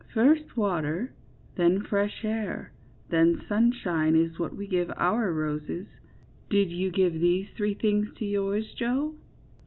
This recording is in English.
First water, then fresh air, then sunshine, is what we give our roses; did you give these three things to yours, Joe?"